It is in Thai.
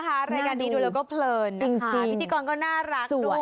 หน้าดูนะคะดูแล้วก็เพลินพิธีกรก็น่ารักด้วย